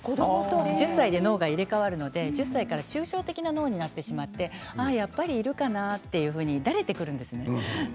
１０歳から脳が入れ代わって１１歳から抽象的な脳になってしまってやっぱり、いるかなと思うようになってくるんですね。